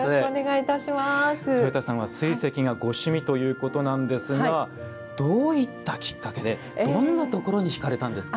とよたさんは水石がご趣味ということなんですがどういったきっかけでどんなところにひかれたんですか？